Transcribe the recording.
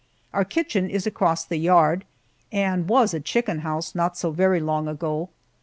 Our kitchen is across the yard, and was a chicken house not so very long ago.